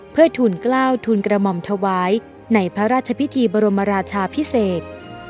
เพื่อทุนกล้าวทุนกระหม่อมถวายในพระราชพิธีบรมราชาพิเศษ